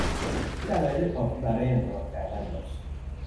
او دلائل کافی برای انتقاد کردن داشت.